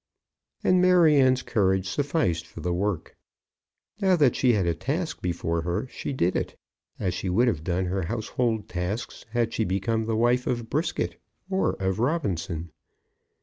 And Maryanne's courage sufficed for the work. Now that she had a task before her she did it; as she would have done her household tasks had she become the wife of Brisket or of Robinson.